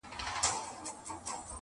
لويي له خداى سره ښايي.